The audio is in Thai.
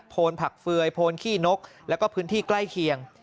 ผักเฟือยโพนขี้นกแล้วก็พื้นที่ใกล้เคียง